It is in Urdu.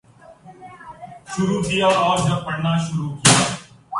شروع کیا اور جب پڑھنا شروع کیا